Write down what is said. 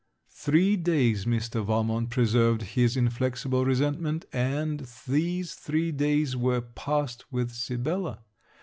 Three days Mr. Valmont preserved his inflexible resentment; and these three days were passed with Sibella.